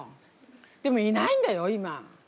でもいないんだよ今。